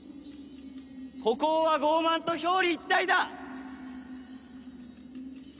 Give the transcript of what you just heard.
孤高は傲慢と表裏一体だ！